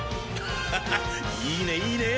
ハハッいいねいいねぇ！